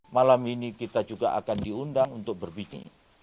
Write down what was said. malam ini kita juga akan diundang untuk berbikin